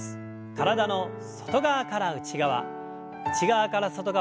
体の外側から内側内側から外側。